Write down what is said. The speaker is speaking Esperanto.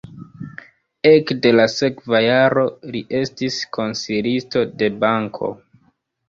Ekde la sekva jaro li estis konsilisto de banko.